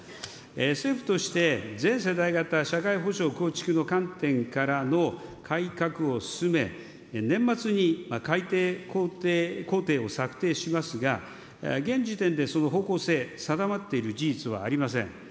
政府として、全世代型社会保障構築の観点からの改革を進め、年末にかいていこうていを策定しますが、現時点でその方向性、定まっている事実はありません。